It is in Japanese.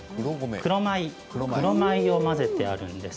くろ米を混ぜてあるんです。